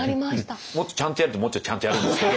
もっとちゃんとやるともうちょいちゃんとやるんですけど。